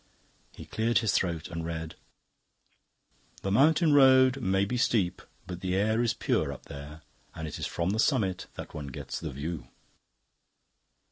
He cleared his throat and read: "The Mountain Road may be steep, but the air is pure up there, and it is from the Summit that one gets the view."